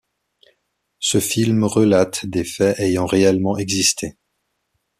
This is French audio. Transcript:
Ce film relate des faits ayant réellement existé.